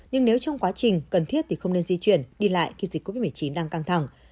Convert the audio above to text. nhưng nếu trong quá trình cần thiết thì không nên di chuyển đi lại khi dịch covid một mươi chín đang căng thẳng